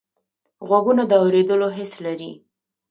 غوږونه د اوریدلو حس لري